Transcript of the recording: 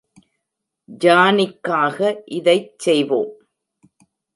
ஜானிக்காக இதைச் செய்வோம்!